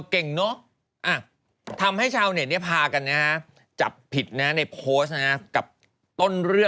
ก็ขอดีไม่ได้ขโมยนี้นางบอกอย่างเนี่ย